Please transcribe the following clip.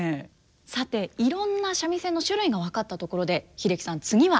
さていろんな三味線の種類が分かったところで英樹さん次は？